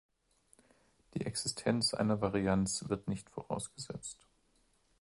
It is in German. Die Existenz einer Varianz wird nicht vorausgesetzt.